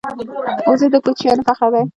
وزې د کوچیانو فخر دی